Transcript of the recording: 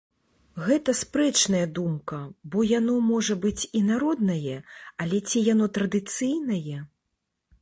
Гэта спрэчная думка, бо яно, можа быць, і народнае, але ці яно традыцыйнае?